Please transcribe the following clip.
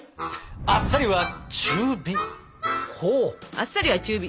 「あっさりは中火」。